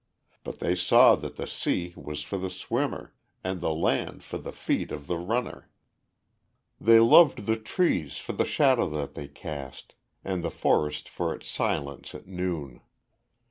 But they saw that the sea was for the swimmer, and the land for the feet of the runner. They loved the trees for the shadow that they cast, and the forest for its silence at noon.